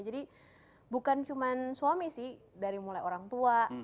jadi bukan cuma suami sih dari mulai orang tua